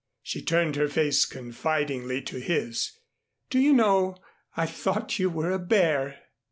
She turned her face confidingly to his. "Do you know, I thought you were a bear."